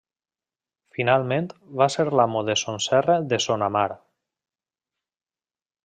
Finalment va ser l'amo de Son Serra de Son Amar.